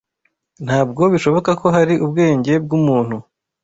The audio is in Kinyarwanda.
Ntabwo bishoboka ko hari ubwenge bw’umuntu